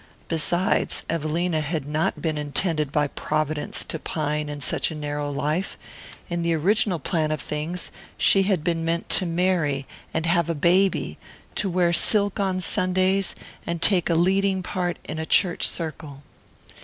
Besides, Evelina had not been intended by Providence to pine in such a narrow life: in the original plan of things, she had been meant to marry and have a baby, to wear silk on Sundays, and take a leading part in a Church circle.